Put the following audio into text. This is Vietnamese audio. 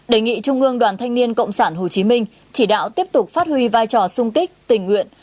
đề nghị trung ương đoàn thanh niên cộng sản hồ chí minh chỉ đạo tiếp tục phát huy vai trò sung kích tình nguyện